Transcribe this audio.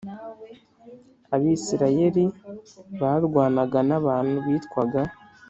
Abisirayeli barwanaga n abantu bitwaga